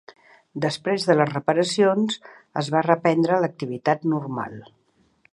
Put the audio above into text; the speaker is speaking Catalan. Després de les reparacions, es va reprendre l'activitat normal.